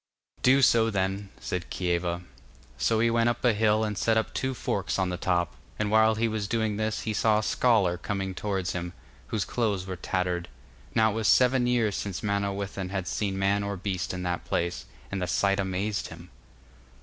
'Do so then,' said Kieva. So he went up a hill and set up two forks on the top, and while he was doing this he saw a scholar coming towards him, whose clothes were tattered. Now it was seven years since Manawyddan had seen man or beast in that place, and the sight amazed him.